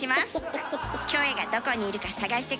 キョエがどこにいるか探して下さい。